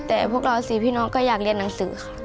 แต่พวกเราสี่พี่น้องก็อยากเรียนหนังสือค่ะ